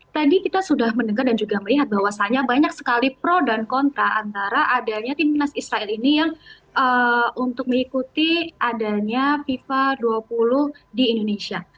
tadi kita sudah mendengar dan juga melihat bahwasannya banyak sekali pro dan kontra antara adanya timnas israel ini yang untuk mengikuti adanya fifa dua puluh di indonesia